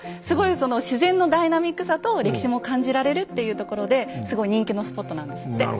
すごいその自然のダイナミックさと歴史も感じられるっていうところですごい人気のスポットなんですって。